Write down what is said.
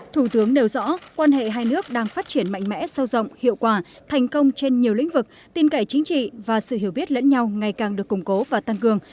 thủ tướng nêu rõ quan hệ hai nước đang phát triển mạnh mẽ sâu rộng hiệu quả thành công trên nhiều lĩnh vực tin cậy chính trị và sự hiểu biết lẫn nhau ngày càng được củng cố và tăng cường